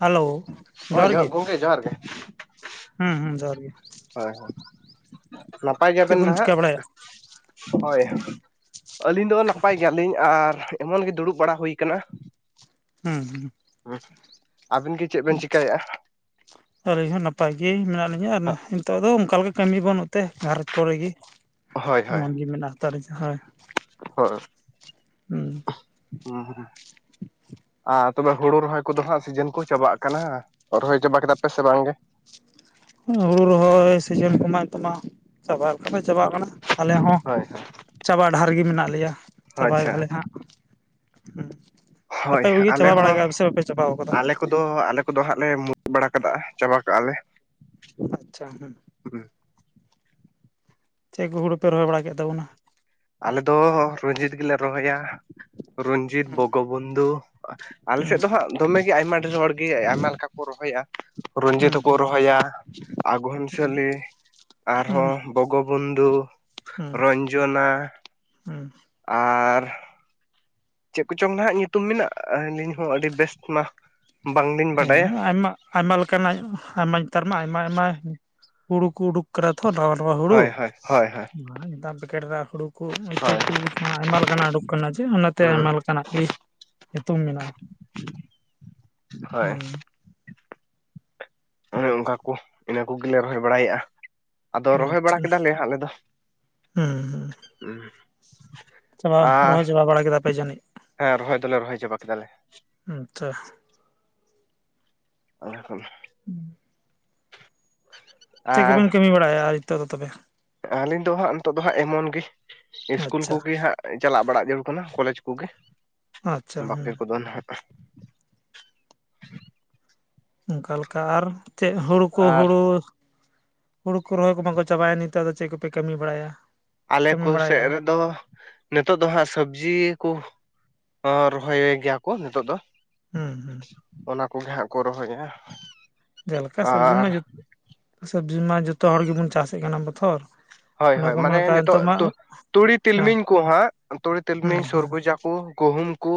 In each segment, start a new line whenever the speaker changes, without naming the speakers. Hello.
ᱚᱪ-ᱚᱪ ᱜᱚᱝᱠᱮ ᱡᱚᱸᱦᱟᱨ ᱜᱮ᱾
ᱦᱩᱸ ᱦᱩᱸ ᱡᱚᱦᱟᱨ ᱜᱮ᱾
ᱦᱳᱭ ᱦᱳᱭ ᱱᱟᱯᱟᱭ
ᱪᱮᱫ
ᱜᱮᱭᱟᱵᱮᱱ
ᱠᱚᱢ
ᱱᱟᱦᱟᱜ
ᱪᱤᱠᱟ ᱵᱟᱲᱟᱭᱟ
ᱦᱳᱭ᱾ ᱟᱹᱞᱤᱧ ᱫᱚ ᱱᱟᱯᱟᱭ ᱜᱮᱭᱟᱞᱤᱧ ᱟᱨ ᱮᱢᱚᱱ ᱜᱮ ᱫᱩᱲᱩᱵ ᱵᱟᱲᱟ ᱦᱳᱭ ᱠᱟᱱᱟ᱾
ᱦᱩᱸ ᱦᱩᱸ᱾
ᱦᱩ ᱟᱹᱵᱤᱱ ᱜᱤ ᱪᱮᱫ ᱵᱤᱱ ᱪᱤᱠᱟᱭᱮᱜᱼᱟ?
ᱟᱹᱞᱤᱧ ᱦᱚᱸ ᱱᱟᱯᱟᱭ ᱜᱮ ᱢᱮᱱᱟᱜ ᱞᱤᱧᱟᱹ ᱟᱨ ᱱᱤᱛᱳᱜ ᱫᱚ ᱚᱱᱠᱟ ᱞᱮᱠᱟᱼᱼ ᱠᱟᱹᱢᱤ ᱵᱟᱹᱱᱩᱜ ᱛᱮ ᱜᱷᱟᱨᱚᱸᱡᱽ ᱠᱚᱨᱮ ᱜᱮ
ᱦᱳᱭ ᱦᱳᱭ
[unintelligible] ᱜᱮ ᱢᱮᱱᱟᱜ [unintelligible] ᱦᱳᱭ᱾
ᱦᱳᱭ᱾
ᱦᱩᱸ᱾
ᱦᱩᱸᱦᱩᱸ᱾ ᱟᱨ ᱛᱚᱵᱮ ᱦᱩᱲᱩ ᱨᱚᱦᱚᱭ ᱠᱚᱫᱚ ᱦᱟᱸᱜ ᱥᱤᱡᱤᱱ ᱠᱚ ᱪᱟᱵᱟᱜ ᱠᱟᱱᱟ᱾ ᱨᱚᱦᱚᱭ ᱪᱟᱵᱟ ᱠᱮᱫᱟ ᱯᱮ ᱥᱮ ᱵᱟᱝᱜᱮ?
ᱦᱩᱲᱩ ᱨᱚᱦᱚᱭ ᱥᱤᱡᱤᱱ ᱠᱚᱢᱟ ᱱᱤᱛᱚᱜ ᱢᱟ ᱪᱟᱵᱟ ᱞᱮᱠᱟ ᱜᱮ ᱪᱟᱵᱟ ᱠᱟᱱᱟ ᱟᱞᱮ ᱦᱚᱸᱼᱼ
ᱦᱳᱭ ᱦᱳᱭ᱾
ᱪᱟᱵᱟᱜ ᱰᱟᱦᱟᱨ ᱨᱮᱜᱮ ᱢᱮᱱᱟᱜ ᱞᱮᱭᱟ ᱪᱟᱵᱟᱭ
ᱟᱪᱪᱷᱟ
ᱫᱟᱞᱮ
ᱟᱪᱪᱷᱟ
ᱦᱟᱸᱜ᱾ ᱦᱩᱸ ᱟᱯᱮ
ᱦᱳᱭ
ᱠᱚᱜᱮ ᱪᱟᱵᱟ ᱵᱟᱲᱟ ᱜᱮᱭᱟ ᱯᱮ ᱥᱮ ᱵᱟᱯᱮ ᱪᱟᱵᱟ ᱠᱟᱫᱟ?
ᱛᱚ ᱟᱞᱮ ᱠᱚᱫᱚ ᱦᱟᱸᱜ ᱞᱮ ᱢᱩᱲᱩᱫ ᱵᱟᱲᱟ ᱠᱟᱫᱟ ᱪᱟᱵᱟ ᱠᱟᱜᱼᱟ ᱞᱮ᱾
ᱟᱪᱪᱷᱟ ᱦᱮᱸ᱾
ᱦᱩᱸ᱾
ᱪᱮᱫ ᱠᱩ ᱦᱩᱲᱩ ᱯᱮ ᱨᱚᱦᱚᱭ ᱵᱟᱲᱟ ᱠᱮᱫ ᱛᱟᱵᱚᱱᱟ?
ᱟᱞᱮ ᱫᱚ ᱨᱚᱡᱤᱛ ᱜᱮᱞᱮ ᱨᱚᱦᱚᱭᱟ ᱨᱚᱡᱤᱛ ᱵᱚᱜᱚᱵᱚᱱᱫᱷᱩ᱾ ᱟᱞᱮ
ᱦᱩᱸ
ᱥᱮᱫ ᱫᱚ ᱦᱟᱸᱜ ᱫᱚᱢᱮ ᱜᱮ ᱟᱭᱢᱟ ᱰᱷᱮᱨ ᱦᱚᱲ ᱜᱮ ᱟᱭᱢᱟ ᱞᱮᱠᱟ ᱠᱚ ᱨᱚᱦᱚᱭᱟ᱾ ᱨᱚᱱᱡᱤᱛ
ᱦᱩᱸ
ᱦᱚᱸᱠᱚ ᱨᱚᱦᱚᱭᱟ ᱟᱜᱚᱱᱥᱟᱹᱞᱤᱼᱼ
ᱦᱩᱸ ᱦᱩᱸ
ᱟᱨᱦᱚᱸ ᱵᱚᱜᱚᱵᱚᱱᱫᱷᱩ,
ᱦᱩᱸ
ᱨᱚᱧᱡᱚᱱᱟ᱾
ᱦᱩᱸ᱾
ᱟᱻᱨ᱾ ᱪᱮᱫ ᱠᱚᱪᱚᱝ ᱱᱟᱜ ᱧᱩᱛᱩᱢ ᱢᱮᱱᱟᱜᱼᱟ [unintelligible] ᱦᱚᱸ ᱟᱹᱰᱤ ᱵᱮᱥᱴ ᱢᱟ ᱵᱟᱝᱞᱤᱱᱼᱼ
ᱦᱮᱸ ᱟᱭᱢᱟ ᱟᱭᱢᱟ ᱞᱮᱠᱟᱱᱟᱜ ᱟᱭᱢᱟ ᱱᱮᱛᱟᱨ ᱢᱟ ᱟᱭᱢᱟ ᱟᱭᱢᱟ ᱦᱩᱲᱩ ᱠᱚ ᱩᱰᱩᱠᱼᱼ ᱠᱟᱱᱟ ᱛᱚ ᱱᱟᱣᱟ ᱱᱟᱣᱟ ᱦᱩᱲᱩ᱾
ᱦᱳᱭ ᱦᱳᱭ ᱦᱳᱭ ᱦᱳᱭ
ᱱᱮᱛᱟᱨ ᱯᱮᱠᱮᱴ ᱨᱮᱱᱟᱜ ᱦᱩᱲᱩ ᱠᱚ ᱤᱛᱟᱹ
ᱦᱳᱭ
ᱠᱚ ᱟᱭᱢᱟ ᱞᱮᱠᱟᱱᱟᱜ ᱩᱰᱩᱠ ᱠᱟᱱᱟ ᱡᱮ ᱚᱱᱟᱼᱼ ᱛᱮ
ᱦᱩᱸ
ᱟᱭᱢᱟ ᱞᱮᱠᱟᱱᱟᱜ ᱜᱮ ᱧᱩᱛᱩᱢ ᱢᱮᱱᱟᱜᱼᱟ᱾
ᱦᱳᱭ᱾
ᱦᱩᱸ
ᱦᱳᱭ ᱚᱱᱠᱟ ᱠᱚ ᱤᱱᱟᱹ ᱠᱚᱜᱮᱞᱮ ᱨᱚᱦᱚᱭ ᱵᱟᱲᱟᱭᱮᱫ-ᱟ ᱟᱫᱚ ᱨᱚᱦᱚᱭ
ᱟᱪᱪᱷᱟ
ᱵᱟᱲᱟ ᱠᱮᱫᱟᱞᱮ ᱟᱞᱮ ᱫᱚ᱾
ᱦᱩᱸ ᱦᱩᱸ ᱪᱟᱵᱟ
ᱟᱨ
ᱨᱚᱦᱚᱭ ᱪᱟᱵᱟ ᱵᱟᱲᱟ ᱠᱮᱫᱟ ᱯᱮ ᱡᱟᱹᱱᱤᱡ?
ᱦᱮᱸ ᱨᱚᱦᱚᱭ ᱫᱚᱞᱮ ᱨᱚᱦᱚᱭ ᱪᱟᱵᱟ ᱠᱮᱫᱟᱞᱮ᱾
ᱦᱩᱸ ᱛᱚ᱾
[unintelligible]
ᱦᱩᱸ᱾
[inaudible]
ᱪᱮᱫ ᱠᱚᱵᱮᱱ ᱠᱟᱹᱢᱤ ᱵᱟᱲᱟᱭᱟ ᱟᱨ ᱱᱤᱛᱚᱜ ᱫᱚ ᱛᱚᱵᱮ?
ᱟᱹᱞᱤᱧ ᱫᱚ ᱦᱟᱸᱜ ᱱᱤᱛᱚᱜ ᱫᱚ ᱦᱟᱸᱜ ᱮᱢᱚᱱ ᱜᱮ ᱤᱥᱠᱩᱞ
ᱟᱪᱪᱷᱟ
ᱠᱚᱜᱮ ᱦᱟᱸᱜᱼᱼ ᱪᱟᱞᱟᱜ ᱵᱟᱲᱟ ᱡᱟᱹᱨᱩᱲ ᱠᱟᱱᱟ ᱠᱚᱞᱮᱡᱽ ᱠᱚᱜᱮ
ᱟᱪᱪᱷᱟ
ᱵᱟᱠᱤ
ᱦᱩᱸ
ᱠᱚᱫᱚ ᱱᱟᱜᱼᱼ
ᱚᱱᱠᱟ ᱞᱮᱠᱟ ᱟᱨ ᱪᱮᱫ ᱦᱩᱲᱩ ᱠᱚ
ᱟᱨ
ᱦᱩᱲᱩᱼᱼ ᱦᱩᱲᱩ ᱠᱚ ᱨᱚᱦᱚᱭ ᱠᱚ ᱵᱟᱝᱠᱚ ᱪᱟᱵᱟᱭᱟ ᱱᱮᱛᱟᱨ ᱫᱚ ᱪᱮᱫ ᱠᱚᱯᱮ ᱠᱟᱹᱢᱤ ᱵᱟᱲᱟᱭᱟ?
ᱟᱞᱮ
ᱠᱟᱹᱢᱤ
ᱠᱚ ᱥᱮᱫ
ᱵᱟᱲᱟᱭᱮᱫᱼᱟ
ᱨᱮᱫᱚᱼᱼ ᱱᱤᱛᱚᱜ ᱫᱚ ᱦᱟᱸᱜ ᱥᱚᱵᱽᱡᱤ ᱠᱚ ᱨᱚᱦᱚᱭ ᱜᱮᱭᱟ ᱠᱚ ᱱᱤᱛᱚᱜ ᱫᱚ᱾
ᱦᱩᱸ ᱦᱩᱸ᱾
ᱚᱱᱟ ᱠᱚᱜᱮ ᱦᱟᱸᱜ ᱠᱚ ᱨᱚᱦᱚᱭᱟ᱾
ᱡᱮᱞᱮᱠᱟ ᱥᱚᱵᱽᱡᱤ
ᱟᱨ
ᱢᱟ ᱡᱚ ᱥᱚᱵᱽᱡᱤ ᱢᱟ ᱡᱚᱛᱚ ᱦᱚᱲ ᱜᱮᱵᱚᱱ ᱪᱟᱥᱮᱫ ᱠᱟᱱᱟ ᱵᱚᱛᱷᱚᱨ᱾
ᱦᱳᱭ
ᱚᱱᱟ
ᱦᱳᱭ
ᱠᱚ
ᱢᱟᱱᱮ
ᱢᱮᱱ ᱠᱷᱟᱱ
ᱱᱤᱛᱚᱜ
ᱢᱟ
ᱛᱩᱲᱤ
ᱦᱮᱸ
ᱛᱤᱞᱢᱤᱧ ᱠᱚ ᱦᱟᱸᱜ ᱛᱩᱲᱤ
ᱦᱩᱸ
ᱛᱤᱞᱢᱤᱧ ᱥᱩᱨᱜᱩ ᱡᱟ ᱠᱩ ᱜᱩᱦᱩᱢ ᱠᱩ᱾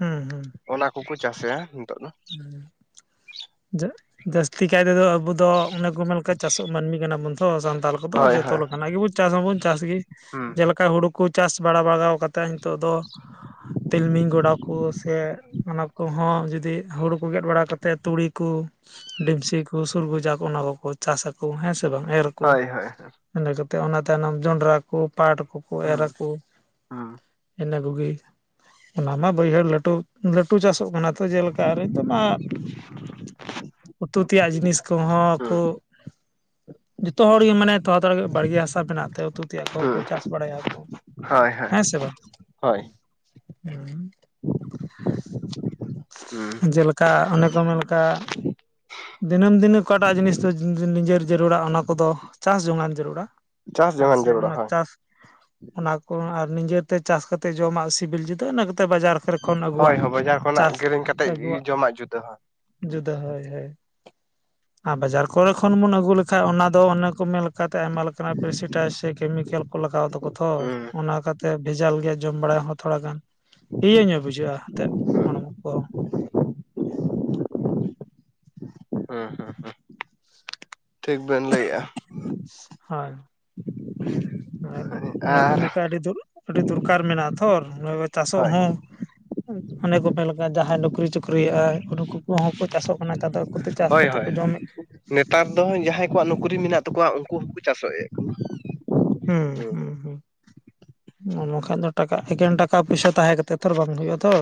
ᱦᱩᱸ ᱦᱩᱸ᱾
ᱚᱱᱟ ᱠᱚᱠᱚ ᱪᱟᱥᱮᱜᱼᱟ ᱱᱤᱛᱚᱜ ᱫᱚ᱾
ᱡᱟᱹᱥᱛᱤ ᱠᱟᱭ ᱛᱮᱫᱚ ᱟᱵᱚ ᱫᱚ ᱚᱱᱮ ᱠᱚ ᱢᱮᱱ ᱪᱟᱥᱚᱜ ᱢᱟᱹᱱᱢᱤ ᱠᱟᱱᱟ ᱵᱚᱱ ᱛᱚ ᱥᱟᱱᱛᱟᱞ ᱠᱚᱫᱚ
ᱦᱳᱭ
ᱡᱚᱛᱚ
ᱦᱳᱭ
ᱞᱮᱠᱟᱱᱟᱜ ᱜᱮᱵᱚᱱ ᱪᱟᱥ ᱦᱚᱸᱵᱚᱱ ᱪᱟᱥ ᱜᱮ,
ᱦᱩᱸ
ᱡᱮᱞᱮᱠᱟ ᱦᱳᱲᱳ ᱠᱚ ᱪᱟᱥ ᱵᱟᱲᱟ ᱵᱟᱲᱟᱟᱣ ᱠᱟᱛᱮᱫ ᱱᱤᱛᱚᱜ ᱫᱚ ᱛᱤᱞᱢᱤᱧ ᱜᱚᱰᱟ ᱠᱚ ᱥᱮ ᱚᱱᱟ ᱠᱚᱦᱚᱸ ᱡᱩᱫᱤ ᱦᱩᱲᱩ ᱠᱚ ᱜᱮᱫ ᱵᱟᱲᱟ ᱠᱟᱛᱮᱫ ᱛᱩᱲᱤ ᱠᱚ ᱰᱮᱢᱥᱤ ᱠᱚ ᱥᱩᱨᱜᱩᱡᱟ ᱠᱚ ᱚᱱᱟ ᱠᱚ ᱪᱟᱥ ᱟᱠᱚ ᱦᱮᱸ ᱥᱮ ᱵᱟᱝ ᱮᱨ ᱟᱠᱚ
ᱦᱳᱭ ᱦᱳᱭ ᱦᱩᱸ
ᱤᱱᱟᱹ ᱠᱟᱛᱮᱜ ᱚᱱᱟ ᱛᱟᱭᱱᱚᱢ ᱡᱚᱱᱰᱨᱟ ᱠᱚ ᱯᱟᱴ ᱠᱚ ᱠᱳ ᱮᱨ
ᱦᱩᱸ
ᱟᱠᱚ᱾
ᱦᱩᱸ
ᱤᱱᱟᱹ ᱠᱚᱜᱤ ᱚᱱᱟᱢᱟ ᱵᱟᱹᱭᱦᱟᱹᱲ ᱞᱟᱹᱴᱩ ᱞᱟᱹᱴᱩ ᱪᱟᱥᱚᱜ ᱠᱟᱱᱟ ᱛᱚ ᱡᱮᱞᱮᱠᱟ ᱟᱨᱤ ᱛᱚᱢᱟ ᱩᱛᱩ ᱛᱮᱭᱟᱜ ᱡᱤᱱᱤᱥ ᱠᱚᱦᱚᱸ
ᱦᱩᱸ
ᱠᱚ ᱡᱚᱛᱚ ᱦᱚᱲ ᱜᱮ ᱢᱟᱱᱮ ᱛᱚᱲᱟ ᱛᱟᱲᱟ ᱵᱟᱲᱜᱮ ᱦᱟᱥᱟ ᱵᱮᱱᱟᱜ ᱩᱛᱩ ᱛᱮᱭᱟᱜ ᱠᱚᱠᱚ ᱪᱟᱥ ᱵᱟᱲᱟᱭ ᱟᱠᱚ
ᱦᱳᱭ ᱦᱳᱭ
ᱦᱮᱸᱥᱮ ᱵᱟᱝ ᱛᱮ
ᱦᱳᱭ
ᱦᱩᱸ᱾
ᱦᱩᱸ᱾
ᱡᱮᱞᱮᱠᱟ ᱚᱱᱮ ᱠᱚ ᱢᱮᱱ ᱠᱟ ᱫᱤᱱᱟᱹᱢ ᱫᱤᱱᱮ ᱚᱠᱟᱴᱟᱜ ᱡᱤᱱᱤᱥ ᱫᱚ ᱱᱤᱡᱮᱨ ᱡᱟᱹᱨᱩᱲᱟ ᱚᱱᱟ ᱠᱚᱫᱚ ᱪᱟᱥ ᱡᱚᱝᱟᱱ ᱡᱟᱹᱨᱩᱲᱟ᱾
ᱪᱟᱥ
ᱟᱨ
ᱡᱚᱝᱟᱱ
ᱥᱮ
ᱡᱟᱹᱨᱩᱲᱟ
ᱚᱱᱟ
ᱦᱳᱭ
ᱪᱟᱥ ᱚᱱᱟ ᱠᱚ ᱟᱨ ᱱᱤᱡᱮᱛᱮ ᱪᱟᱥ ᱠᱟᱛᱮ ᱡᱚᱢᱟᱜ ᱥᱤᱵᱤᱞ ᱡᱩᱫᱟᱹᱜᱼᱟ ᱤᱱᱟᱹ ᱠᱟᱛᱮ ᱵᱟᱡᱟᱨ ᱠᱷᱚᱱ ᱠᱚᱨᱮ
ᱦᱳᱭ
ᱟᱹᱜᱩᱣᱟᱜ
ᱦᱳᱭ ᱵᱟᱡᱟᱨ ᱠᱷᱚᱱᱟᱜ
ᱪᱟᱥ
ᱠᱤᱨᱤᱧ ᱠᱟᱛᱮᱫ
ᱟᱵᱚᱣᱟᱜ
ᱡᱚᱢᱟᱜ ᱡᱩᱫᱟᱹᱜᱼᱟ᱾
ᱡᱩᱫᱟᱹ ᱦᱳᱭ ᱦᱳᱭ ᱾ ᱟᱨ ᱵᱟᱡᱟᱨ ᱠᱚᱨᱮ ᱠᱷᱚᱱ ᱵᱚᱱ ᱟᱹᱜᱩ ᱞᱮᱠᱟᱱ ᱚᱱᱟ ᱫᱚ ᱚᱱᱮ ᱠᱚ ᱢᱮᱱ ᱞᱮᱠᱟᱛᱮ ᱟᱭᱢᱟ ᱞᱮᱠᱟᱱᱟᱜ ᱯᱨᱮᱥᱤᱴᱟᱭ ᱥᱮ ᱠᱮᱢᱤᱠᱮᱞ ᱠᱚ ᱞᱟᱜᱟᱣ ᱫᱟᱠᱚ ᱛᱷᱚ
ᱦᱩᱸ
ᱚᱱᱟ ᱠᱟᱛᱮ ᱵᱷᱮᱡᱟᱞ ᱜᱮᱭᱟ ᱡᱚᱢ ᱵᱟᱲᱟ ᱦᱚᱸ ᱛᱷᱚᱲᱟ ᱜᱟᱱ ᱤᱭᱟᱹ ᱧᱚᱜ ᱵᱩᱡᱷᱟᱹᱜᱼᱟ ᱮᱱᱛᱮᱫ ᱦᱚᱲᱢᱚ ᱠᱚ᱾
ᱦᱩᱸ ᱦᱩᱸ᱾ ᱴᱷᱤᱠ ᱵᱮᱱ ᱞᱟᱹᱭᱮᱜᱼᱟ᱾
ᱦᱳᱭ᱾
[unintelligible]
ᱟᱨ ᱚᱱᱟ ᱠᱚ
ᱟᱨ
ᱢᱮᱠᱷᱟᱡ ᱟᱹᱰᱤ ᱟᱹᱰᱤ ᱫᱚᱨᱠᱟᱨ ᱢᱮᱱᱟᱜᱼᱟ ᱛᱷᱚ ᱱᱚᱜᱼᱚᱭ ᱪᱟᱥᱚᱜ
ᱦᱳᱭ
ᱦᱚᱸ ᱚᱱᱮ ᱠᱚ ᱢᱮᱱ ᱞᱮᱠᱟ ᱡᱟᱦᱟᱸᱭ ᱱᱩᱠᱨᱤ- ᱪᱩᱠᱨᱤᱭᱟᱜᱼᱟᱭ ᱩᱱᱠᱩ ᱠᱚᱦᱚᱸ ᱠᱚ ᱪᱟᱥᱚᱜ ᱠᱟᱱᱟ ᱱᱮᱛᱟᱨ ᱫᱚ᱾ ᱟᱠᱚᱛᱮ ᱪᱟᱥ
ᱦᱳᱭ
ᱠᱟᱛᱮᱫ
ᱦᱳᱭ
ᱠᱚ ᱡᱚᱢ ᱮᱫ ᱜᱮᱭᱟ᱾
ᱱᱮᱛᱟᱨ ᱫᱚ ᱡᱟᱦᱟᱸᱭ ᱠᱚᱣᱟᱜ ᱱᱩᱠᱨᱤ ᱢᱮᱱᱟᱜ ᱛᱟᱠᱚᱣᱟ ᱩᱱᱠᱩ ᱦᱚᱸᱠᱚ ᱪᱟᱥ ᱮᱜ ᱠᱟᱱᱟ᱾
ᱦᱩᱸ ᱦᱩᱸ ᱦᱩᱸ᱾ ᱵᱟᱝᱠᱷᱟᱱ ᱫᱚ ᱴᱟᱠᱟ ᱮᱠᱮᱱ ᱴᱟᱠᱟ ᱯᱚᱭᱥᱟ ᱛᱟᱦᱮᱸ ᱠᱟᱛᱮ ᱛᱚ ᱵᱟᱝ ᱦᱩᱭᱩᱜᱼᱟ ᱛᱷᱚ᱾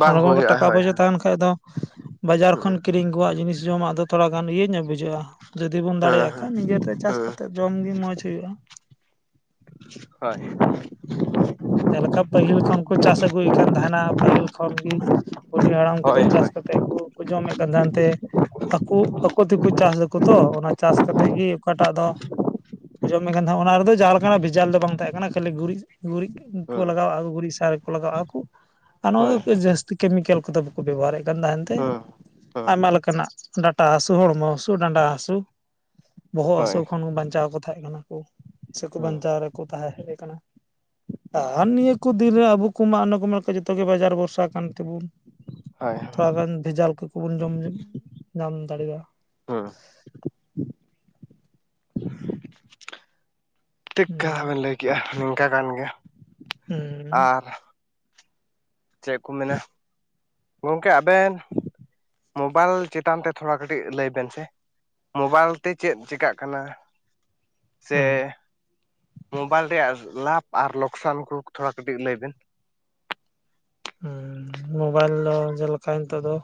ᱵᱟᱝ
ᱚᱱᱟ ᱠᱚ
ᱦᱩᱭᱩᱜᱼᱟ
ᱴᱟᱠᱟ
ᱦᱳᱭ
ᱯᱚᱭᱥᱟ
ᱦᱮᱸ
ᱛᱟᱦᱮᱸᱱ ᱠᱷᱟᱡ ᱫᱚ ᱵᱟᱡᱟᱨ ᱠᱷᱚᱱ ᱠᱤᱨᱤᱧ ᱟᱹᱜᱩᱟᱜ ᱡᱤᱱᱤᱥ ᱡᱚᱢᱟᱜ ᱫᱚ ᱛᱷᱚᱨᱟ ᱜᱟᱱ ᱤᱭᱟᱹ ᱧᱚᱜ ᱵᱩᱡᱷᱟᱹᱜᱼᱟ ᱡᱩᱫᱤ ᱵᱚᱱ
ᱦᱮᱸ
ᱫᱟᱲᱮᱭᱟᱜ
ᱦᱮᱸ
ᱠᱷᱟᱡ ᱱᱤᱡᱮᱛᱮ ᱪᱟᱥ
ᱦᱮᱸ
ᱠᱟᱛᱮᱫ ᱡᱚᱢ ᱜᱮ ᱢᱚᱸᱡᱽ ᱦᱳᱭᱳᱜᱼᱟ ᱾
ᱦᱳᱭ᱾
ᱡᱮᱞᱮᱠᱟ ᱯᱟᱹᱦᱤᱞ ᱠᱷᱚᱱ ᱠᱚ ᱪᱟᱥ ᱟᱹᱜᱩᱭ ᱠᱟᱱ ᱛᱟᱦᱮᱸᱱᱟ ᱯᱟᱹᱦᱤᱞ ᱠᱷᱚᱱ ᱜᱤ᱾ ᱵᱩᱰᱷᱤ ᱦᱟᱲᱟᱢ ᱠᱚᱫᱚ
ᱦᱳᱭ
ᱪᱟᱥ
ᱦᱳᱭ
ᱠᱟᱛᱮᱫ ᱠᱚ ᱡᱚᱢᱮᱫ ᱠᱟᱱ ᱛᱟᱦᱮᱸᱱ ᱛᱮ᱾ ᱟᱠᱚ ᱟᱠᱚ ᱛᱮᱠᱚ ᱪᱟᱥ ᱫᱟᱠᱚ ᱛᱚ ᱚᱱᱟ ᱪᱟᱥ ᱠᱟᱛᱮᱫ ᱜᱮ ᱚᱠᱟᱴᱟᱜ ᱫᱚ ᱟᱡᱚᱢ ᱢᱮ ᱠᱟᱱ ᱛᱟᱦᱮᱸ ᱚᱱᱟ ᱨᱮᱫᱚ ᱡᱟᱦᱟᱸ ᱞᱮᱠᱟᱱᱟᱜ ᱵᱷᱮᱡᱟᱞ ᱫᱚ ᱵᱟᱝ ᱛᱟᱦᱮᱸ ᱠᱟᱱᱟ ᱠᱷᱟᱹᱞᱤ ᱜᱩᱨᱤᱡ ᱜᱩᱨᱤᱡ ᱜᱮ᱾
ᱦᱮᱸ
ᱞᱟᱜᱟᱣᱟᱜ ᱠᱚ ᱜᱩᱨᱤᱡ ᱥᱟᱨ ᱠᱚ ᱞᱟᱜᱟᱣᱟᱜᱼᱟ ᱠᱚ ᱟᱨ ᱱᱚᱣᱟ
ᱦᱳᱭ ᱦᱮᱸ
ᱠᱮᱡ ᱡᱟᱹᱥ ᱠᱮᱢᱤᱠᱮᱞ ᱠᱚᱫᱚ ᱵᱟᱠᱚ ᱵᱮᱵᱚᱦᱟᱨᱮᱫ ᱠᱟᱱ ᱛᱟᱦᱮᱱ ᱛᱮ᱾
ᱦᱮᱸ
ᱟᱭᱢᱟ ᱞᱮᱠᱟᱱᱟᱜ ᱰᱟᱴᱟ ᱦᱟᱹᱥᱩ ᱦᱚᱲᱢᱚ ᱦᱟᱹᱥᱩ ᱰᱟᱸᱰᱟ ᱦᱟᱹᱥᱩ ᱵᱚᱦᱚᱜ
ᱦᱳᱭ
ᱦᱟᱹᱥᱩ ᱠᱷᱚᱱ ᱵᱟᱧᱪᱟᱣ ᱠᱚ ᱛᱟᱦᱮᱸ ᱠᱟᱱᱟ ᱠᱚ ᱥᱮᱠᱚ
ᱦᱮᱸ
ᱵᱟᱧᱪᱟᱣ ᱨᱮᱠᱚ ᱛᱟᱦᱮᱸ ᱦᱮᱡ ᱟᱠᱟᱱᱟ ᱟᱨ ᱱᱤᱭᱟᱹ ᱠᱚ ᱫᱤᱱᱨᱮ ᱟᱵᱚ ᱠᱚᱢᱟ ᱚᱱᱮ ᱠᱚ ᱢᱮᱱ ᱞᱮᱠᱟ ᱡᱚᱛᱚ ᱜᱮ ᱵᱟᱡᱟᱨ ᱵᱷᱚᱨᱥᱟ ᱠᱟᱱ ᱛᱮᱵᱚᱱ
ᱦᱳᱭ
ᱛᱚ ᱟᱵᱮᱱ ᱵᱷᱮᱡᱟᱞ ᱠᱚᱠᱚ ᱵᱚᱱ ᱡᱚᱢ ᱧᱚᱜ ᱧᱟᱢ ᱫᱟᱲᱮᱭᱟᱜ-ᱟ
ᱦᱮᱸ
[inaudible]
ᱴᱤᱠᱟ
ᱦᱩᱸ
ᱵᱮᱱ ᱞᱟᱹᱭ ᱠᱮᱜ-ᱟ ᱱᱤᱝᱠᱟ ᱠᱟᱱ ᱜᱮᱭᱟ
ᱦᱩᱸ
ᱟᱨ ᱪᱮᱫ ᱠᱚ ᱢᱮᱱᱟ ᱜᱚᱝᱠᱮ ᱟᱵᱤᱱ ᱢᱳᱵᱟᱭᱤᱞ ᱪᱮᱛᱟᱱ ᱛᱮ ᱛᱷᱚᱲᱟ ᱜᱟᱱ ᱠᱟᱹᱴᱤᱡ ᱞᱟᱹᱭ ᱵᱤᱱ ᱥᱮ? ᱢᱳᱵᱟᱭᱤᱞ ᱛᱮ ᱪᱮᱫ ᱪᱤᱠᱟᱜ ᱠᱟᱱᱟ? ᱥᱮ
ᱦᱩᱸ
ᱢᱳᱵᱟᱭᱤᱞ ᱨᱮᱭᱟᱜ ᱞᱟᱵᱷ ᱟᱨ ᱞᱚᱠᱥᱟᱱ ᱠᱚ ᱛᱷᱚᱲᱟ ᱠᱟᱹᱴᱤᱡ ᱞᱟᱹᱭ ᱵᱤᱱ?
ᱦᱩᱸ ᱢᱳᱵᱟᱭᱤᱞ ᱫᱚ ᱡᱮᱞᱮᱠᱟ ᱱᱤᱛᱚᱜ ᱫᱚ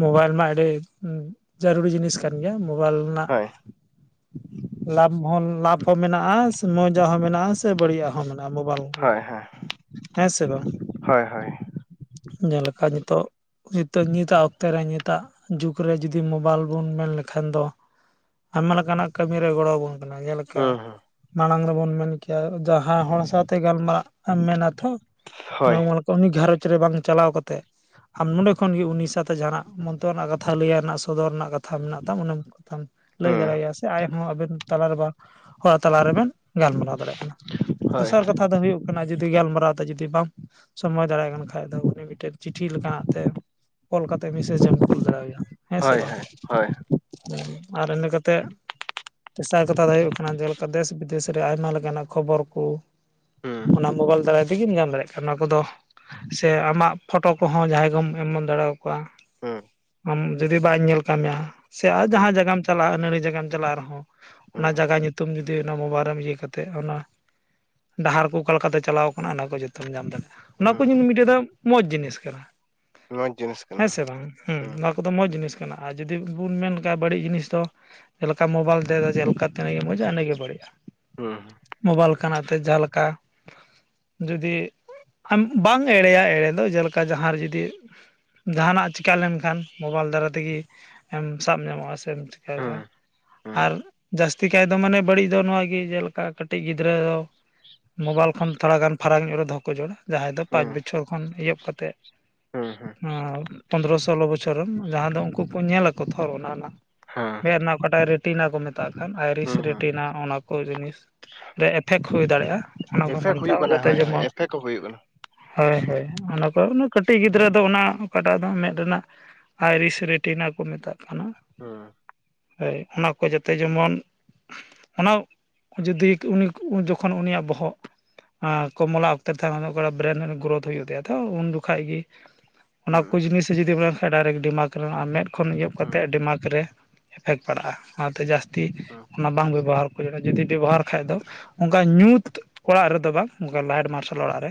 ᱢᱳᱵᱟᱭᱤᱞ ᱢᱟ ᱟᱹᱰᱤ ᱡᱟᱹᱨᱩᱲᱤ ᱡᱤᱱᱤᱥ ᱠᱟᱱ ᱜᱮᱭᱟ ᱢᱳᱵᱟᱭᱤᱞ ᱨᱮᱱᱟᱜ
ᱦᱳᱭ
ᱞᱟᱵᱷ ᱦᱚᱸ ᱞᱟᱵᱷ ᱦᱚᱸ ᱢᱮᱱᱟᱜ-ᱟ ᱢᱚᱡᱟᱜ ᱦᱚᱸ ᱢᱮᱱᱟᱜ-ᱟ ᱥᱮ ᱵᱟᱹᱲᱤᱡ ᱦᱚᱸ ᱢᱮᱱᱟᱜ-ᱟ ᱢᱳᱵᱟᱭᱤᱞ ᱜᱮ
ᱦᱳᱭ ᱦᱳᱭ
ᱦᱮᱸ ᱥᱮ ᱵᱟᱝ?
ᱦᱳᱭ ᱦᱳᱭ
ᱧᱮᱞᱮᱠᱟ ᱱᱤᱛᱚᱜ ᱡᱤᱛᱟᱹ ᱧᱤᱫ ᱟᱜ ᱚᱠᱛ ᱛᱮ ᱨᱮ ᱱᱤᱛᱟᱜ ᱡᱩᱜᱽ ᱨᱮ ᱡᱩᱫᱤ ᱢᱳᱵᱟᱭᱤᱞ ᱵᱚᱱ ᱢᱮᱱ ᱞᱮᱠᱷᱟᱱ ᱫᱚ ᱟᱭᱢᱟ ᱞᱮᱠᱟᱱᱟᱜ ᱠᱟᱹᱢᱤᱤᱨᱮ ᱜᱚᱲᱚ ᱟᱵᱚᱱ ᱠᱟᱱᱟ ᱡᱮᱞᱮᱠᱟ
ᱦᱳᱭ
ᱢᱟᱲᱟᱝ ᱨᱮᱵᱚᱱ ᱢᱮᱱ ᱠᱮᱭᱟ ᱡᱟ ᱦᱟᱸ ᱦᱚᱲ ᱥᱟᱶᱛᱮ ᱜᱟᱞᱢᱟᱨᱟᱜ ᱮᱢ ᱢᱮᱱᱟ ᱛᱷᱚ
ᱦᱳᱭ
ᱱᱚᱢᱚᱠ ᱛᱚ ᱩᱱᱤ ᱜᱷᱟᱨᱚᱸᱡᱽ ᱨᱮ ᱵᱟᱝ ᱪᱟᱞᱟᱣ ᱠᱟᱛᱮ ᱟᱢ ᱱᱚᱰᱮ ᱠᱷᱚᱱ ᱜᱮ ᱩᱱᱤ ᱥᱟᱛ ᱛᱚ ᱡᱟᱦᱟᱱᱟᱜ ᱢᱚᱱᱛᱚ ᱨᱮᱱᱟᱜ ᱠᱟᱛᱷᱟ ᱞᱟᱹᱭ ᱨᱮᱱᱟᱜ ᱥᱚᱫᱚᱨ ᱨᱮᱱᱟᱜ ᱠᱟᱛᱷᱟ ᱢᱮᱱᱟᱜ ᱛᱟᱢ ᱚᱱᱟ ᱛᱟᱢ ᱞᱟᱹᱭ
ᱦᱮᱸ
ᱫᱟᱲᱮᱭᱟᱭᱟ ᱥᱮ ᱟᱡᱦᱚᱸ ᱟᱵᱮᱱ ᱛᱟᱞᱟ ᱨᱮᱵᱮᱱ ᱦᱟᱜ ᱛᱟᱞᱟ ᱨᱮᱵᱮᱱ ᱜᱟᱞᱢᱟᱨᱟᱣ ᱫᱟᱲᱮᱭᱟᱜ ᱠᱟᱱᱟ
ᱦᱳᱭ
ᱫᱚᱥᱟᱨ ᱠᱟᱛ ᱠᱟᱛᱷᱟ ᱫᱚ ᱦᱩᱭᱩᱜ ᱠᱟᱱᱟ ᱡᱩᱫᱤ ᱜᱟᱞᱢᱟᱨᱟᱣ ᱛᱮ ᱡᱩᱫᱤ ᱵᱟ ᱥᱚᱢᱚᱭ ᱫᱟᱲᱮᱭᱟᱜ ᱠᱟᱱ ᱠᱷᱟᱡ ᱫᱚ ᱩᱱᱤ ᱢᱤᱫᱴᱮᱱ ᱪᱤᱴᱷᱤ ᱞᱮᱠᱟᱱᱟᱜ ᱛᱮ ᱠᱚᱞ ᱠᱟᱛᱮ ᱢᱮᱥᱮᱡ ᱮᱢ ᱠᱩᱞ ᱫᱟᱲᱮᱣᱟᱭᱟ ᱦᱮᱸ ᱥᱮ
ᱦᱳᱭ
ᱵᱟᱝ?
ᱦᱳᱭ ᱦᱳᱭ
ᱟᱨ ᱤᱱᱟᱹ ᱠᱟᱛᱮ ᱛᱮᱥᱟᱨ ᱠᱟᱛᱷᱟ ᱫᱚ ᱦᱩᱭᱩᱜ ᱠᱟᱱᱟ ᱡᱮᱞᱮᱠᱟ ᱫᱮᱥ ᱵᱤᱫᱮᱥ ᱨᱮ ᱟᱭᱢᱟ ᱞᱮᱠᱟᱱᱟᱜ ᱠᱷᱚᱵᱚᱨ ᱠᱚ
ᱦᱩᱸ
ᱚᱱᱟ ᱢᱳᱚᱜᱟᱭᱚᱞ ᱫᱟᱨᱟᱭ ᱛᱮᱜᱮᱢ ᱧᱟᱢ ᱫᱟᱲᱮᱭᱟᱜ ᱠᱟᱱᱟ ᱚᱱᱟ ᱠᱚᱫᱚ ᱥᱮ ᱟᱢᱟᱜ ᱯᱷᱳᱚᱴᱳ ᱠᱚᱦᱚᱸ ᱡᱟᱦᱟᱸᱭ ᱜᱮᱢ ᱮᱢᱚᱱ ᱫᱟᱲᱮᱭᱟᱠᱚᱣᱟ
ᱦᱩᱸ
ᱟᱢ ᱡᱩᱫᱤ ᱵᱟᱭᱧ ᱧᱮᱞ ᱠᱟᱢ ᱢᱮᱭᱟ ᱥᱮ ᱟᱨ
ᱦᱩᱸ
ᱡᱟᱦᱟᱸ ᱡᱟᱭᱜᱟᱢ ᱪᱟᱞᱟᱜ-ᱟ ᱱᱟᱹᱲᱤ ᱡᱜᱟᱢ ᱪᱟᱞᱟᱜ ᱨᱮᱦᱚᱸ ᱚᱱᱟ
ᱦᱩᱸ
ᱡᱟᱭᱜᱟ ᱧᱩᱛᱩᱢ ᱡᱩᱫ ᱫᱤ ᱚᱱᱟ ᱢᱳᱵᱟᱭᱤᱞ ᱨᱮᱢ ᱤᱭᱟᱹ ᱠᱟᱛᱮᱫ ᱚᱱᱟ ᱰᱟᱦᱟᱨ ᱠᱚ ᱚᱠᱟ ᱞᱮᱠᱟᱛᱮ ᱪᱟᱞᱟᱣ ᱠᱟᱱᱟ ᱚᱱᱟ ᱠᱚ ᱡᱚᱛᱚᱢ ᱧᱟᱢ ᱫᱟᱲᱮᱭᱟᱜ-ᱟ ᱚᱱᱟ ᱠᱚ
ᱦᱩᱸ ᱦᱩᱸ
ᱢᱤᱫᱴᱮᱡ ᱫᱚ ᱢᱚᱸᱡᱽ ᱡᱤᱱᱤᱥ
ᱱᱚᱣᱟᱡᱽ ᱡᱤᱱᱤᱥ ᱠᱟᱱᱟ
ᱦᱮᱸ ᱥᱮ ᱵᱟᱝ ᱦᱩᱸ ᱱᱚᱣᱟ ᱠᱚᱫᱚ ᱢᱚᱡᱽ ᱡᱤᱱᱤᱥ ᱠᱟᱱᱟ ᱟᱨ ᱡᱩᱫᱤ ᱵᱚᱱ ᱢᱮᱱ ᱞᱮᱠᱷᱟᱱᱡ ᱵᱟᱹᱲᱤᱡ ᱡᱤᱱᱤᱥ ᱫᱚ ᱡᱮᱞᱮᱠᱟ ᱢᱳᱵᱟᱭᱤᱞ ᱫᱟ ᱡᱱᱟᱹᱜ ᱢᱚᱡᱟ ᱤᱱᱟᱹᱜᱮ ᱵᱟᱹᱲᱤᱡᱼᱟ
ᱦᱩᱸ ᱦᱩᱸ
ᱢᱳᱵᱟᱭᱤᱞ ᱠᱟᱱᱟᱜ ᱛᱮ ᱡᱟᱦᱟᱸ ᱞᱮᱠᱟ ᱡᱩᱫᱤ ᱟᱢ ᱵᱟᱝ ᱮᱲᱮᱭᱟ ᱮᱲᱮᱭᱟ ᱡᱮᱞᱮᱠᱟ ᱡᱟᱦᱟᱸ ᱨᱮ ᱡᱩᱫᱤ ᱡᱟᱦᱟᱱᱟᱜ ᱪᱤᱠᱟᱹ ᱞᱮᱱᱠᱷᱟᱱ ᱢᱳᱵᱟᱭᱤᱞ ᱫᱟᱨᱟᱭ ᱛᱮᱜᱮ ᱥᱟᱵ ᱧᱟᱢᱚᱜ-ᱟ ᱥᱮᱢ ᱪᱤᱠᱟᱭ ᱫᱟ
ᱦᱩᱸ ᱦᱩᱸ
ᱟᱨ ᱡᱟᱹᱥᱛᱤ ᱠᱟᱭ ᱫᱚ ᱢᱟᱱᱮ ᱵᱟᱹᱲᱤᱡ ᱫᱚ ᱱᱚᱣᱟᱜᱮ ᱡᱮᱞᱮᱠᱟ ᱠᱟᱹᱴᱤᱡ ᱜᱤᱫᱽᱨᱟᱹ ᱢᱳᱵᱟᱭᱤᱞ ᱠᱷᱚᱱ ᱛᱷᱚᱲᱟ ᱜᱟᱱ ᱯᱷᱟᱨᱟᱠ ᱧᱚᱜ ᱨᱮ ᱫᱚᱦᱚ ᱠᱚ ᱡᱚᱲᱟ ᱡᱟᱦᱟᱸᱭ ᱫᱚ ᱯᱟᱸᱪ ᱵᱚᱪᱷᱚᱨ ᱠᱷᱚᱱ ᱮᱦᱚᱵ ᱠᱟᱛᱮ
ᱦᱩᱸ ᱦᱩᱸ
ᱦᱩᱸ ᱯᱚᱱᱫᱽᱨᱚ ᱥᱳᱞᱞᱳ ᱵᱚᱪᱷᱚᱨ ᱨᱮᱱ ᱡᱟᱦᱟᱸ ᱫᱚ ᱩᱱᱠᱩ ᱠᱚ ᱧᱮᱞᱟᱚ ᱛᱷᱚᱨ ᱚᱱᱟ ᱨᱮᱱᱟᱜ
ᱦᱮᱸ
ᱢᱮᱫ ᱨᱮᱱᱟᱜ ᱚᱠᱟᱴᱟᱜ ᱨᱮᱴᱤᱱᱟ ᱠᱚ ᱢᱮᱛᱟᱜ ᱠᱟᱱ ᱟᱭᱨᱤᱥ
ᱦᱩᱸ ᱦᱩᱸ
ᱨᱮᱴᱤᱱᱟ ᱚᱱᱟ ᱠᱚ ᱡᱤᱱᱤᱥ ᱨᱮ ᱮᱯᱷᱮᱠᱴ ᱦᱩᱭ ᱫᱟᱲᱮᱭᱟᱜᱼᱟ ᱚᱱᱟ ᱠᱚ
ᱮᱯᱷᱮᱠ
ᱵᱟᱧᱪᱟᱣ
ᱦᱩᱭᱩᱜ ᱠᱟᱱᱟ
ᱡᱟᱛᱮ
ᱦᱳᱭ ᱦᱳᱭ
ᱡᱮᱢᱚᱱ᱾
ᱮᱯᱷᱮᱠ ᱠᱚ ᱦᱩᱭᱩᱜ ᱠᱟᱱᱟ
ᱦᱳᱭ ᱦᱳᱭ ᱚᱱᱟ ᱠᱚ ᱠᱟᱹᱴᱤᱡ ᱜᱤᱫᱽᱨᱟᱹ ᱫᱚ ᱚᱱᱟ ᱚᱠᱟᱴᱟᱜ ᱫᱚ ᱢᱮᱫ ᱨᱮᱱᱟᱜ ᱟᱭᱨᱤᱥ ᱨᱮᱴᱤᱱᱟ ᱠᱚ ᱢᱮᱛᱟᱜ ᱠᱟᱱᱟ᱾
ᱦᱩᱸ
ᱦᱳᱭ ᱚᱱᱟ ᱠᱚ ᱡᱟᱛᱮ ᱡᱮᱢᱚᱱ ᱟᱱᱟ ᱡᱩᱫᱤ ᱩᱱᱤ ᱡᱚᱠᱷᱚᱱ ᱩᱱᱤᱭᱟᱜ ᱵᱚᱦᱚᱜ᱾ ᱟᱸ ᱠᱚᱢᱞᱟ ᱚᱠᱛᱮ ᱨᱮ ᱛᱟᱦᱮ ᱚ ᱵᱨᱮᱱ ᱜᱨᱳᱛᱷ ᱦᱩᱭᱩᱜ ᱛᱟᱭᱟ ᱛᱚ ᱩᱱ ᱡᱚᱠᱷᱟ ᱜᱮ᱾ ᱚᱱᱟ
ᱦᱩᱸ
ᱠᱚ
ᱦᱩᱸ
ᱡᱤᱱᱤᱥ ᱡᱩᱫᱤᱢ ᱢᱮᱱ ᱠᱷᱟᱱᱡ ᱰᱟᱭᱨᱮᱠᱴ ᱰᱤᱢᱟᱠ ᱨᱮ ᱢᱮᱫ ᱠᱷᱚᱱ ᱮᱚᱜ
ᱦᱩᱸ
ᱠᱟᱛᱮᱫ ᱰᱤᱢᱟᱠ ᱨᱮ ᱮᱯᱷᱮᱠᱴ ᱯᱟᱲᱟᱜᱼᱟ ᱚᱱᱟᱛᱮ ᱡᱟᱹᱥᱛᱤ
ᱦᱩᱸ
ᱚᱱᱟ ᱵᱟᱝ ᱵᱮᱵᱚᱦᱟᱨ ᱡᱩᱫᱤ ᱵᱮᱵᱚᱦᱟᱨ ᱠᱷᱟᱡ ᱫᱚ ᱚᱱᱠᱟ ᱧᱩᱛ ᱚᱲᱟᱜ ᱨᱮᱫᱚ ᱵᱟᱝ ᱚᱱᱠᱟ ᱞᱟᱭᱤᱴ ᱢᱟᱨᱥᱟᱞ ᱚᱲᱟᱜ ᱨᱮ